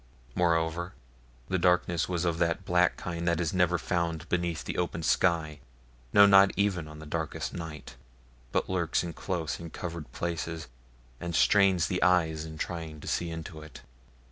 Moreover, the darkness was of that black kind that is never found beneath the open sky, no, not even on the darkest night, but lurks in close and covered places and strains the eyes in trying to see into it.